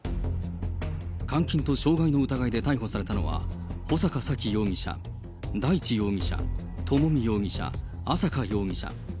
監禁と傷害の疑いで逮捕されたのは、穂坂沙喜容疑者、大地容疑者、朝美容疑者、朝華容疑者。